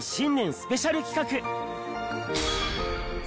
スペシャル企画！